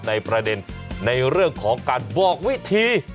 ในประเด็นในเรื่องของการบอกวิธี